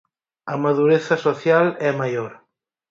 A madureza social é maior.